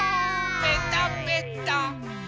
ぺたぺた。